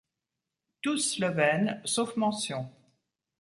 Tous slovènes sauf mention.